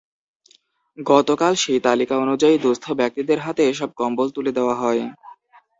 গতকাল সেই তালিকা অনুযায়ী দুস্থ ব্যক্তিদের হাতে এসব কম্বল তুলে দেওয়া হয়।